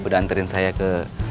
udah anterin saya ke